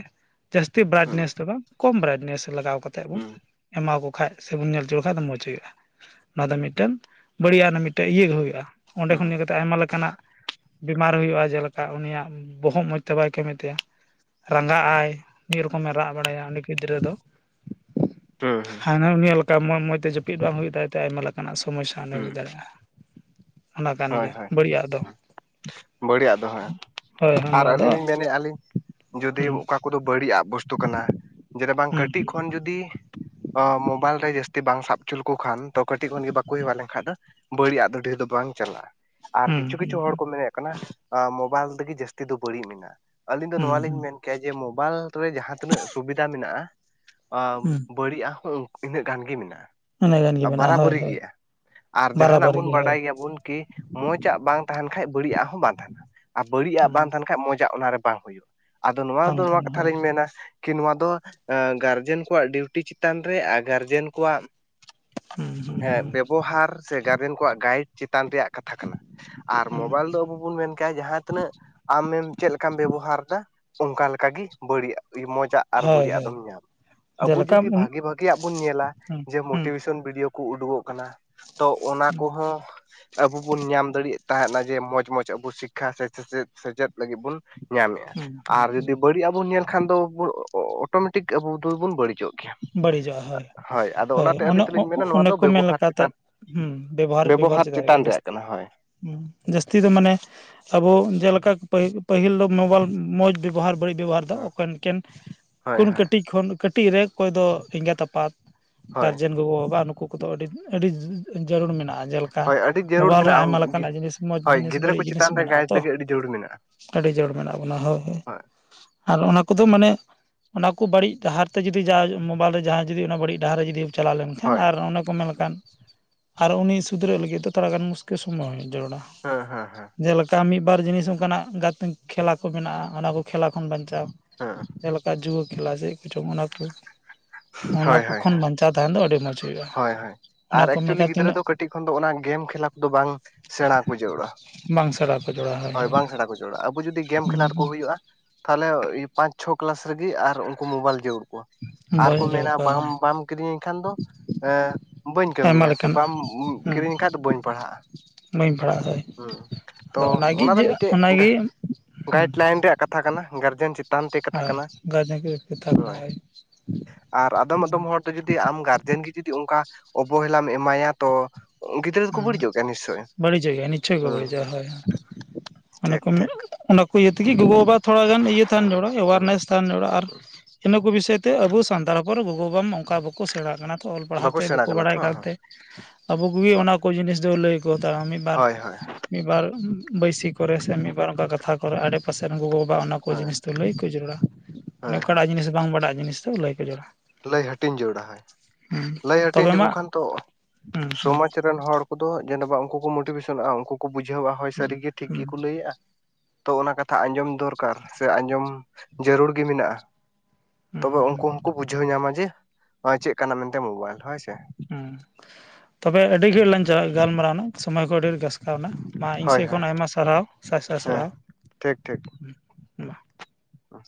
ᱡᱟᱹᱥᱛᱤ
ᱦᱩᱸ
ᱫᱚ ᱵᱟᱝ ᱠᱚᱢ ᱵᱨᱟᱭᱤᱴᱱᱮᱥ ᱞᱟᱜᱟᱣ ᱠᱟᱛᱮ
ᱦᱩᱸ
ᱮᱢᱟ ᱠᱚ ᱵᱠᱷᱟᱱᱡ ᱥᱮᱵᱚᱱ ᱧᱮᱞ ᱞᱮ ᱠᱷᱟᱱ ᱫᱚ ᱢᱚᱸᱡᱽ ᱦᱩᱭᱩᱜᱼᱟ᱾ ᱱᱚᱣᱟ ᱫᱚ ᱢᱤᱫᱴᱮᱱ ᱵᱟᱹᱲᱤᱡ ᱢᱤᱫᱴᱮᱱ ᱤᱭᱟᱹ ᱜᱮ ᱦᱩᱭᱩᱜᱼᱟ ᱚᱸᱰᱮ
ᱦᱩᱸ
ᱠᱷᱚᱱ ᱜᱮ ᱟᱭᱢᱟ ᱞᱮᱠᱟᱱᱟᱜ ᱵᱤᱢᱟᱨ ᱦᱩᱭᱩᱜᱼᱟ ᱡᱮᱞᱮᱠᱟ ᱩᱱᱤᱭᱟᱜ ᱵᱚᱦᱚᱜ ᱢᱚᱸᱡᱽ ᱛᱮ ᱵᱟᱭ ᱠᱟᱹᱢᱤ ᱛᱟᱭᱟ᱾ ᱨᱟᱸᱜᱟᱜ ᱟᱭ ᱢᱤᱫ ᱨᱚᱠᱚᱢᱮ ᱨᱟᱜ ᱵᱟᱲᱟᱭᱟ ᱩᱱᱤ ᱜᱤᱫᱽᱨᱟᱹ ᱫᱚ᱾ ᱮ
[unintelligible]
ᱩᱱᱤ ᱞᱮᱠᱟ ᱢᱡᱽ ᱢᱚᱸᱡᱽ ᱛᱮ ᱡᱟᱹᱯᱤᱫ ᱵᱟᱝ ᱦᱩᱭᱩᱜ ᱛᱟᱭᱟᱲ ᱟᱭᱢᱟ ᱞᱮᱠᱟᱱᱟᱜ ᱥᱚᱢᱚᱥᱥᱟ ᱚᱸᱰᱮ ᱦᱩᱭ
ᱦᱩᱸ
ᱫᱟᱲᱮᱭᱟᱜᱼᱟ ᱚᱱᱟ ᱠᱟᱱ
ᱦᱳᱭ
ᱜᱮᱭᱟ
ᱦᱳᱭ
ᱵᱟᱹᱲᱤᱡᱟᱜ ᱫᱚ᱾
ᱵᱟᱹᱲᱤᱡᱟᱜ ᱫᱚᱦᱚ
ᱦᱳᱭ ᱦᱳᱭ
ᱟᱨ
ᱱᱚᱣᱟ ᱫᱚ
ᱟᱹᱞᱤᱧ ᱞᱤᱧ ᱢᱮᱱᱮᱫᱼᱟ ᱞᱞᱤᱧ ᱡᱩᱫᱤ
ᱦᱩᱸ
ᱚᱠᱟ᱾ ᱟᱱᱠᱩ ᱫᱚ ᱵᱟᱹᱲᱤᱡ ᱟᱜ ᱵᱚᱥᱛᱩ ᱠᱟᱱᱟ ᱡᱮᱱ ᱵᱟᱝ
ᱦᱩᱸ
ᱠᱟᱹᱴᱤᱡ ᱠᱷᱚᱱ ᱡᱩᱫᱤ᱾ ᱢᱳᱵᱟᱭᱤᱞ ᱨᱮ ᱡᱟᱹᱥᱛᱤ ᱵᱟᱝ ᱥᱟᱵ ᱦᱚᱪᱚ ᱞᱮᱠᱚ ᱠᱷᱟᱱ ᱛᱚ ᱠᱟᱹᱴᱤᱡ ᱠᱷᱚᱱᱜ ᱵᱟᱠᱚ ᱦᱮᱣᱟ ᱞᱮᱱᱠᱷᱟᱱᱡ ᱫᱚ᱾ ᱵᱟᱹᱲᱤᱡ-ᱟᱜ ᱫᱚ ᱰᱷᱮᱨ ᱫᱚ ᱵᱟᱝ ᱪᱟᱞᱟᱜᱼᱟ ᱟᱨ
ᱦᱩᱸ
ᱠᱤᱪᱷᱩ ᱠᱤᱪᱷᱩ ᱦᱚᱲ
ᱦᱩᱸ
ᱢᱮᱱᱮᱜ ᱠᱟᱱᱟ ᱢᱳᱵᱟᱭᱤᱞ ᱛᱮᱜᱮ ᱡᱟᱹᱥᱛᱤ ᱫᱚ ᱵᱟᱹᱲᱤᱡ ᱢᱮᱱᱟᱜᱼᱟ᱾ ᱟᱹᱞᱤᱧ ᱫᱚ
ᱦᱩᱸ
ᱱᱚᱣᱟ
ᱦᱩᱸ
ᱞᱤᱧ ᱢᱮᱱ ᱠᱮᱭᱟ ᱡᱮ, ᱢᱳᱵᱟᱭᱤᱞ ᱨᱮ ᱡᱟᱦᱟᱸ ᱛᱤᱱᱟᱹᱜ ᱥᱩᱵᱤᱫᱷᱟ ᱢᱮᱱᱟᱜᱼᱟ ᱟᱸ
ᱦᱩᱸ
ᱵᱟᱹᱲᱤᱡ-ᱟᱜ ᱦᱚᱸ ᱤᱱᱟᱹᱜ ᱜᱟᱱ ᱜᱮ ᱢᱮᱱᱟᱜᱼᱟ᱾
ᱚᱱᱟ ᱜᱟᱱ ᱜᱮ ᱢᱮᱱᱟᱜᱼᱟ ᱦᱳᱭ
ᱵᱟᱨᱟᱵᱟᱹᱨᱤ
ᱦᱳᱭ
ᱜᱮᱭᱟ ᱟᱨ ᱡᱟᱦᱟᱱᱟᱜ
ᱵᱟᱨᱟᱵᱟᱨᱤ
ᱵᱚᱱ
ᱜᱮ ᱦᱳᱭ
ᱵᱟᱰᱟᱭ ᱜᱮᱭᱟᱵᱚᱱ ᱠᱤ ᱢᱚᱡᱽ ᱟᱜ ᱵᱟᱝ ᱛᱟᱦᱮᱱ ᱠᱷᱟᱡ ᱵᱟᱹᱲᱤᱡ ᱟᱜ ᱦᱚᱸ ᱵᱟᱝ ᱛᱟᱦᱮᱱᱟ ᱟᱨ ᱵᱟᱹᱲᱤᱡ
ᱦᱩᱸ
ᱵᱟᱝ ᱛᱟᱦᱮᱱ ᱠᱷᱟᱡ ᱢᱚᱡᱽ ᱢᱚᱡᱽ-ᱟᱜ ᱚᱱᱟᱨᱮ ᱵᱟᱝ ᱦᱩᱭᱩᱜᱼᱟ ᱟᱫᱚ ᱱᱚᱣᱟ
ᱵᱟᱝ
ᱫᱚ ᱱᱚᱣᱟ
ᱛᱟᱦᱮᱱᱟ
ᱠᱟᱛᱷᱟ
ᱦᱳᱭ
ᱞᱤᱧ ᱢᱮᱱᱟ ᱠᱤ ᱱᱚᱣᱟ ᱫᱚ ᱜᱟᱨᱡᱮᱱ ᱠᱚᱣᱟᱜ ᱰᱤᱩᱴᱤ ᱪᱮᱛᱟᱱ ᱨᱮ ᱟᱨ ᱜᱟᱨᱡᱮᱱ ᱠᱚᱣᱟᱜ
ᱦᱩᱸ ᱦᱩᱸ
ᱦᱮᱸ
ᱦᱩᱸ
ᱵᱮᱵᱚᱦᱟᱨ ᱥᱮ ᱜᱟᱨᱡᱮᱱ ᱠᱚᱣᱟᱜ ᱜᱟᱭᱤᱰ ᱪᱮᱛᱟᱱ ᱨᱮᱭᱟᱜ ᱠᱟᱛᱷᱟ ᱠᱟᱱᱟ᱾ ᱟᱨ
ᱦᱩᱸ
ᱢᱳᱵᱟᱭᱤᱞ ᱫᱚ ᱟᱵᱚ ᱵᱚᱱ ᱢᱮᱱ ᱠᱮᱭᱟ ᱡᱟᱦᱟᱸ ᱛᱤᱱᱟᱹᱜ ᱟᱢᱮᱢ ᱪᱮᱫ ᱞᱮᱠᱟᱢ ᱵᱮᱵᱚᱦᱟᱨᱫᱟ ᱚᱱᱠᱟᱠᱟᱜᱮ ᱵᱟᱹᱲᱤᱡ, ᱢᱚᱡᱟᱜ ᱟᱨ
ᱦᱳᱭ
ᱵᱟᱹᱲᱤᱡ-ᱟᱜ
ᱦᱳᱭ
ᱫᱚᱢ ᱧᱟᱢᱟ ᱟᱵᱚ
ᱡᱮᱞᱮᱠᱟ
ᱡᱩᱫᱤ
ᱦᱩᱸ
ᱵᱷᱟᱜᱤ ᱵᱷᱟᱜᱮᱟᱜ ᱧᱮᱞᱟ, ᱡᱮ
ᱦᱩᱸ
ᱢᱳᱴᱤᱵᱷᱮᱥᱚᱱ ᱵᱷᱤᱰᱭᱳ ᱠᱚ ᱩᱰᱩᱠᱚᱜ ᱠᱟᱱᱟ ᱛᱚ ᱚᱱᱟ ᱠᱚᱦᱚᱸ ᱟᱵᱚ ᱵᱚᱱ ᱧᱟᱢ ᱫᱟᱲᱮᱭᱟᱜ ᱛᱟᱦᱮᱱᱟ ᱡᱮ ᱢᱚᱸᱡᱽ ᱢᱚᱸᱡᱽ ᱟᱵᱚ ᱥᱤᱠᱠᱷᱟ ᱥᱮᱪᱮᱫ ᱥᱮᱪᱮᱫ ᱞᱟᱹᱜᱤᱫ ᱵᱚᱱ ᱧᱟᱢᱮᱜᱼᱟ
ᱦᱩᱸ
ᱟᱨ ᱡᱩᱫᱤ ᱵᱟᱹᱲᱤᱡ-ᱟᱜ ᱵᱚᱱ ᱧᱮᱞ ᱠᱷᱟᱱ ᱫᱚ ᱚᱴᱳᱢᱮᱴᱤᱠ ᱟᱵᱚ ᱫᱚᱵᱚᱱ ᱵᱟᱹᱲᱤᱡᱚᱜ ᱜᱮᱭᱟ᱾
ᱵᱟᱹᱲᱤᱡᱚᱜᱼᱟ᱾ ᱦᱳᱭ
ᱟᱫᱚ
ᱦᱳᱭ
ᱚᱱᱟᱛᱮ ᱟᱹᱞᱤᱧ ᱫᱚᱞᱤᱧ ᱢᱮᱱᱟ ᱱᱚᱣᱟ
ᱚ-ᱚ-ᱚᱱᱮ
ᱫᱚ
ᱠᱚ ᱢᱮᱱ
ᱵᱮᱵᱚᱦᱟᱨ
ᱞᱮᱠᱟᱛᱮ
ᱪᱮᱛᱟᱱ
ᱦᱩᱸ ᱵᱮᱵᱚᱦᱟᱨ ᱵᱮᱵᱚᱦᱟᱨ ᱪᱮᱛᱟᱱ ᱛᱮᱜᱮ
ᱨᱮᱭᱟᱜ
ᱡᱟᱹᱥᱛᱤ᱾
ᱠᱟᱱᱟ ᱦᱳᱭ
ᱦᱩᱸ ᱡᱟᱹᱥᱛᱤ ᱫᱚ ᱢᱟᱱᱮ ᱟᱵᱚ ᱡᱮᱞᱮᱠᱟ ᱯᱟ. -ᱯᱟᱹᱦᱤᱞ ᱫᱚ ᱢᱳᱵᱟᱭᱤᱞ ᱢᱚᱸᱡᱽ ᱵᱮᱵᱚᱦᱟᱨ ᱵᱟᱹᱲᱤᱡ ᱵᱮᱵᱚᱦᱟᱨ ᱫᱚ ᱚᱠᱚ ᱮᱱᱠᱮᱱ
ᱦᱳᱭ
ᱠᱷᱚᱱᱩᱱ
ᱦᱳᱭ
ᱠᱟᱹᱴᱤᱡ ᱠᱷᱚᱱ ᱠᱟᱹᱴᱤᱡ ᱨᱮ ᱚᱠᱚᱭ ᱫᱚ ᱮᱸᱜᱟᱛ ᱟᱯᱟᱛ
ᱦᱳᱭ
ᱜᱟᱨᱡᱮᱱ ᱜᱚᱜᱚ ᱵᱟᱵᱟ ᱱᱩᱠᱩ ᱠᱚᱫᱚ ᱟᱹᱰᱤ ᱟᱹᱰᱤ ᱡᱟᱹᱨᱩᱲ ᱢᱮᱱᱟᱜᱼᱟ᱾ᱡᱮ ᱠᱟ
ᱦᱳᱭ ᱟᱹᱰᱤ ᱡᱟᱹᱨᱩᱲ
ᱢᱳᱵᱟᱭᱤᱞ ᱨᱮ ᱟᱭᱢᱟ
ᱢᱮᱱᱟᱜᱼᱟ
ᱞᱮᱠᱟᱱᱟᱜ ᱡᱤᱱᱤᱥ ᱢᱚᱡᱽ
ᱦᱳᱭ
ᱡᱤᱱᱤᱥ
ᱜᱤᱫᱽᱨᱟᱹ
ᱵᱟᱹᱲᱤᱡ
ᱠᱚ
ᱡᱤᱱᱤᱥ
ᱪᱮᱛᱟᱱ ᱨᱮ
ᱢᱮᱱᱟᱜᱼᱟ
ᱜᱟᱭᱤᱰ
ᱛᱚ᱾
ᱞᱟᱹᱜᱤᱫ ᱟᱹᱰᱤ ᱡᱟᱹᱨᱩᱲ ᱢᱮᱱᱟᱜᱼᱟ
ᱟᱹᱰᱤ ᱡᱳᱨ ᱢᱮᱱᱟᱜ ᱵᱚᱱᱟ ᱦᱳᱭ, ᱟᱨ ᱚᱱᱟ ᱠᱚᱫᱚ ᱢᱟᱱᱮ ᱚᱱᱟ ᱠᱚ ᱵᱟᱹᱲᱤᱡ ᱰᱟᱦᱟᱨ ᱛᱮ ᱡᱩᱫᱤ ᱡᱩᱫᱤ ᱡᱟᱦᱟᱭ ᱢᱳᱵᱟᱭᱤᱞ ᱨᱮ ᱡᱩᱫᱤ ᱚᱱᱟ ᱵᱟᱹᱲᱤᱡ ᱰᱟᱦᱟᱨ ᱨᱮ ᱡᱩᱫᱤ ᱪᱟᱞᱟᱣ ᱞᱮᱱᱠᱷᱟᱱ
ᱦᱳᱭ
ᱟᱨ ᱚᱱᱮ ᱠᱚ ᱢᱮᱱᱞᱮᱠᱟᱱ ᱟᱨ ᱩᱱᱤ ᱥᱩᱫᱷᱨᱟᱹᱜ ᱞᱟᱹᱜᱤᱫ ᱫᱚ ᱛᱷᱚᱲᱟᱜᱟᱱ ᱢᱩᱥᱠᱤᱞ ᱥᱚᱢᱚᱭ ᱦᱚᱸ ᱡᱟᱹᱨᱩᱲᱟ᱾
ᱦᱮᱸ ᱦᱮᱸ ᱦᱮᱸ᱾
ᱡᱮᱞᱮᱠᱟ ᱢᱤᱜ ᱵᱟᱨ ᱡᱤᱱᱤᱥ ᱚᱱᱠᱟᱱᱟᱜ ᱜᱟᱛ ᱠᱷᱮᱞᱟ ᱠᱚ ᱢᱮᱱᱟᱜᱼᱟ ᱚᱱᱟ ᱠᱚ ᱠᱷᱮᱞᱟ ᱠᱷᱚᱱ ᱵᱟᱧᱪᱟᱣ,
ᱦᱮᱸ
ᱡᱮᱞᱮᱠᱟ ᱡᱩᱣᱟᱹ ᱠᱷᱮᱞᱟ ᱪᱮᱜ ᱠᱚ ᱪᱚᱝ ᱚᱱᱟ ᱠᱩ᱾ ᱚᱱᱟ
ᱦᱳᱭ
ᱠᱩ
ᱦᱳᱭ
ᱠᱷᱚᱱ
ᱦᱮᱸ
ᱵᱟᱧᱪᱟᱣ ᱛᱟᱦᱮᱱ ᱫᱚ ᱟᱹᱰᱤ ᱢᱚᱸᱡᱽ ᱦᱩᱭᱩᱜᱼᱟ᱾
ᱦᱳᱭ ᱦᱳᱭ
ᱚᱱᱟ
ᱟᱨ
ᱠᱚ
ᱮᱠᱪᱩᱭᱞᱤ
ᱞᱮᱠᱟ
ᱜᱤᱫᱽᱨᱟᱹ
ᱛᱤᱱᱟᱹᱜ
ᱫᱚ ᱠᱟᱹᱴᱤᱡ ᱠᱷᱚᱱ ᱫᱚ ᱚᱱᱟ ᱜᱮᱢ ᱠᱷᱮᱞᱟ ᱠᱚᱫᱚ ᱵᱟᱝ ᱥᱮᱬᱟ ᱠᱚ ᱡᱟᱹᱨᱩᱲᱚᱼᱟ᱾
ᱵᱟᱝ ᱥᱮᱬᱟ ᱠᱚ ᱡᱚᱲᱟ
ᱦᱳᱭ ᱵᱟᱝ ᱥᱮᱬᱟ ᱠᱚ ᱡᱟᱹᱨᱩᱲᱚ, ᱟᱵᱩ ᱡᱩᱫᱤ ᱜᱮᱢ ᱠᱷᱮᱞᱟᱛ ᱠᱩ ᱦᱩᱭᱩᱜᱼᱟ ᱛᱟᱦᱞᱮ ᱤ ᱯᱟᱸᱪ ᱪᱷᱚ ᱠᱮᱞᱟᱥ ᱨᱮᱜᱤ ᱟᱨ ᱩᱱᱠᱩ ᱢᱳᱵᱟᱞ ᱡᱟᱲᱩᱲ ᱠᱩᱣᱟ᱾ ᱟᱨᱠᱚ
ᱵᱟᱹᱧ ᱡᱚᱲ
ᱢᱮᱱᱟ
ᱠᱚᱣᱟ ᱦᱳᱭ
ᱵᱟᱢ-ᱵᱟᱢ ᱠᱤᱨᱤᱧᱤᱧ ᱠᱷᱟᱱ ᱫᱚ ᱮᱸ ᱵᱟᱹᱧ
ᱟᱭᱢᱟ
ᱠᱟᱹᱢᱤᱭᱟ ᱥᱮ
ᱞᱮᱠᱟᱱᱟᱜ
ᱵᱟᱢ
ᱦᱮᱸ
ᱠᱤᱨᱤᱧᱤᱧ ᱠᱷᱟᱡ ᱫᱚ ᱵᱟᱹᱧ ᱯᱟᱲᱦᱟᱜᱼᱟ᱾
ᱵᱟᱹᱧ ᱯᱟᱲᱦᱟᱜᱼᱟ ᱦᱳᱭ
ᱦᱩᱸ ᱛᱚ
ᱟᱫᱚ ᱚᱱᱟᱜᱮ
ᱚᱱᱟ ᱫᱚ
ᱡᱮ
ᱢᱤᱜᱴᱮᱡ
ᱚᱱᱟᱜᱮ
ᱜᱟ-ᱜᱟᱭᱤᱰ ᱞᱟᱭᱤᱱ ᱨᱮᱭᱟᱜ ᱠᱟᱛ ᱛᱷᱟ ᱠᱟᱱᱟ ᱜᱟᱨᱡᱮᱱ ᱪᱤ
ᱦᱟ [unintelligible]
ᱟᱨ ᱟᱫᱚᱢ ᱟᱫᱚᱢ ᱦᱚᱲ ᱫᱚ ᱡᱩᱫᱤ ᱟᱢ ᱜᱟᱨᱡᱮᱱ ᱜᱮ ᱡᱩᱫᱤ ᱚᱝᱠᱟ ᱚᱵᱚᱦᱮᱞᱟᱢ ᱮᱢᱟᱭᱟ ᱛᱚ ᱜᱤᱫᱽᱨᱟᱹ ᱫᱚᱠᱚ
ᱩᱸ
ᱵᱟᱹᱲᱤᱡᱚᱜ ᱜᱮᱭᱟ ᱱᱤᱥᱪᱳᱭ
ᱵᱟᱹᱲᱤᱡᱚᱜ ᱜᱮᱭᱟᱭ, ᱱᱤᱪᱷᱚᱭ ᱠᱚ
ᱦᱩᱸ ᱦᱩᱸ
ᱵᱟᱹᱲᱤᱡᱚᱜᱼᱟ ᱦᱳᱭ ᱦᱳ᱾ ᱚᱱᱟ
ᱴᱷᱤᱠ
ᱠᱷᱚᱱ
ᱴᱷᱤᱠ
ᱚᱱᱟ ᱠᱚ ᱤᱭᱟᱹ ᱛᱮᱜᱤ ᱜᱚᱜᱚ ᱵᱟᱵᱟ ᱛᱷᱚᱲᱟ ᱜᱟᱱ ᱤᱭᱟᱹ ᱛᱟᱦᱮᱱ
ᱦᱩᱸ
ᱡᱟᱲᱩᱲᱟ
ᱦᱩᱸ
ᱮᱣᱟᱨᱱᱮᱥ᱾ ᱛᱟᱦᱮᱱ [unintelligible] ᱟᱨ ᱤᱱᱟᱹ ᱠᱩ ᱵᱤᱥᱚᱭ ᱛᱮ ᱟᱵᱩ ᱥᱟᱱᱛᱟᱲ ᱦᱚᱯᱚᱱ ᱨᱮ ᱜᱚᱜᱚ ᱵᱟᱵᱟ ᱢᱟ ᱚᱝᱠᱟ ᱵᱟᱠᱚ ᱥᱮᱬᱟᱜ ᱠᱟᱱᱟ ᱛᱚ ᱚᱞ ᱯᱟᱲᱦᱟᱣ
ᱵᱟᱠᱚ
ᱛᱮ
ᱥᱮᱬᱟ
ᱵᱟᱠᱩ
ᱠᱟᱱᱟ
ᱵᱟᱲᱟᱭ
ᱛᱚ
ᱠᱟᱱ ᱛᱮ᱾ ᱟᱵᱩ ᱠᱩᱜᱮ ᱚᱱᱟ ᱠᱚ ᱡᱤᱱᱤᱥ ᱫᱚ ᱞᱟᱹᱭ ᱠᱚ ᱦᱟᱛᱟᱣᱟ ᱢᱤᱜ ᱵᱟᱨ
ᱦᱳᱭ ᱦᱳᱭ
ᱢᱤᱜ ᱵᱟᱨ ᱵᱟᱹᱭᱥᱤ ᱠᱚᱨᱮ ᱥᱮ ᱢᱤᱜ ᱵᱟᱨ ᱚᱱᱠᱟ ᱠᱟᱛᱷᱟ ᱠᱚᱨᱮ ᱟᱰᱮ ᱯᱟᱥᱮ ᱨᱮᱱ ᱜᱚᱜᱚ ᱵᱟᱵᱟ ᱚᱱᱟ ᱠᱚ
ᱦᱳᱭ
ᱡᱤᱱᱤᱥ ᱛᱚ ᱞᱟᱹᱭ ᱠᱚ ᱡᱟᱨᱩᱲᱟ, ᱚᱱᱮ
ᱦᱳᱭ ᱦᱳᱭ
ᱚᱠᱟᱴᱟᱜ ᱡᱤᱱᱤᱥ ᱵᱟᱝ ᱵᱟᱰᱟᱜ ᱡᱤᱱᱤᱥ ᱫᱚ ᱞᱟᱹᱭ ᱠᱚ ᱡᱟᱨᱩᱲᱟ᱾
ᱞᱟᱹᱭ ᱦᱟᱹᱴᱤᱧ ᱡᱟᱲᱩᱲᱟ ᱦᱳᱭ, ᱞᱟᱹᱭ ᱦᱟᱹᱴᱤᱧ
ᱛᱚᱵᱮ
[unintelligible] ᱠᱩ
ᱢᱟ
ᱠᱷᱟᱱ ᱛᱚ
ᱦᱩᱸ ᱦᱩᱸ
ᱥᱚᱢᱟᱡ ᱨᱮᱱ ᱦᱚᱲ ᱠᱚᱫᱚ ᱡᱮᱱᱚ ᱵᱟ ᱩᱱᱠᱩ ᱠᱚ ᱢᱳᱴᱤᱵᱷᱮᱥᱚᱱᱚᱜᱼᱟ ᱩᱱᱠᱩ ᱠᱚ ᱵᱩᱡᱷᱟᱹᱣᱟ ᱦᱳᱭ
ᱦᱩᱸ
ᱥᱟᱹᱨᱤᱜᱮ ᱴᱷᱤᱠ
ᱦᱩᱸ
ᱜᱮᱠᱚ ᱞᱟᱹᱭᱮᱜᱼᱟ᱾ ᱛᱚ ᱚᱱᱟ ᱠᱟᱛᱷᱟ ᱟᱸᱡᱚᱢ ᱫᱚᱨᱠᱟᱨ ᱥᱮ ᱟᱸᱡᱚᱢ ᱡᱟᱹᱨᱩᱲ ᱜᱮ ᱢᱮᱱᱟᱜᱼᱟ᱾
ᱦᱩᱸ
ᱛᱚᱵᱮ
ᱦᱩᱸ
ᱩᱱᱠᱩ
ᱦᱩᱸ
ᱦᱚᱸᱠᱚ ᱵᱩᱡᱷᱟᱹᱣ ᱧᱟᱢᱟ ᱡᱮ ᱣᱟ ᱪᱮᱜ ᱠᱟᱱᱟ ᱢᱮᱱᱛᱮ ᱢᱳᱵᱟᱭᱤᱞ ᱦᱳᱭ ᱥᱮ᱾
ᱦᱩᱸ, ᱛᱚᱵᱮ ᱟᱹᱰᱤ [unintelligible] ᱞᱟᱝ ᱡᱟ ᱜᱟᱞᱢᱟᱨᱟᱣ ᱱᱟ᱾ ᱥᱚᱢᱚᱭ ᱠᱚ ᱟᱰᱤ [unintelligible] ᱜᱟᱥᱠᱟᱣ ᱱᱟ ᱢᱟ ᱤᱧ
ᱦᱳᱭ
ᱥᱮᱜ
ᱦᱳᱭ
ᱠᱷᱚᱱ ᱟᱭᱢᱟ ᱥᱟᱨᱦᱟᱣ ᱥᱟᱭ ᱥᱟᱭ
ᱦᱮᱸ
ᱥᱟᱨᱦᱟᱣ᱾
ᱴᱷᱤᱠ ᱴᱷᱤᱠ᱾
ᱢᱟ
ᱚᱸ᱾